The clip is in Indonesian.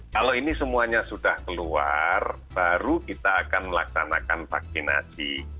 kalau ini semuanya sudah keluar baru kita akan melaksanakan vaksinasi